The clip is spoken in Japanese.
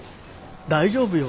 大丈夫よ。